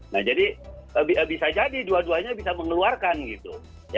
nah jadi bisa jadi dua duanya bisa mengeluarkan gitu